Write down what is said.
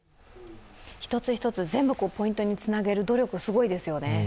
一つ一つ全部ポイントにつなげる努力、すごいですよね。